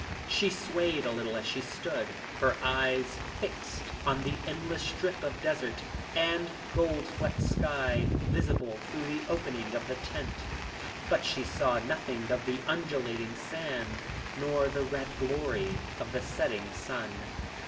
She swayed a little as she stood, her eyes fixed on the endless strip of desert and gold flecked sky visible through the opening of the tent, but she saw nothing of the undulating sand, nor the red glory of the setting sun.